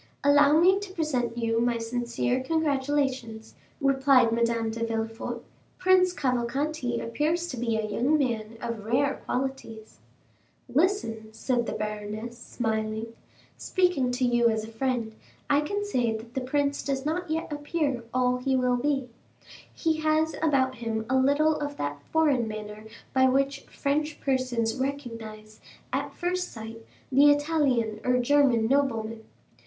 "Allow me to present you my sincere congratulations," replied Madame de Villefort. "Prince Cavalcanti appears to be a young man of rare qualities." 40276m "Listen," said the baroness, smiling; "speaking to you as a friend I can say that the prince does not yet appear all he will be. He has about him a little of that foreign manner by which French persons recognize, at first sight, the Italian or German nobleman.